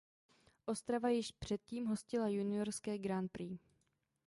Ostrava již předtím hostila juniorské Grand Prix.